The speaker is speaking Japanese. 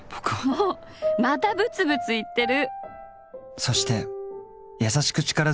もうまたブツブツ言ってる！